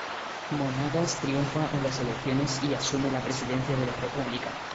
Monagas triunfa en las elecciones y asume la presidencia de la república.